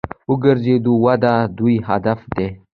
د ګرځندوی وده د دوی هدف دی.